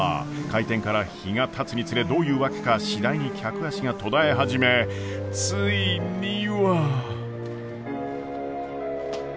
開店から日がたつにつれどういうわけか次第に客足が途絶え始めついには。